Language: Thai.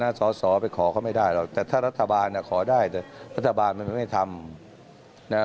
จะถ้ารัฐบาลเนี้ยขอได้รัฐบาลมันไม่ได้ทำ